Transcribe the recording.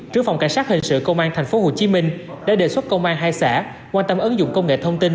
tru phòng cảnh sát hình sự công an tp hcm đã đề xuất công an hai xã quan tâm ứng dụng công nghệ thông tin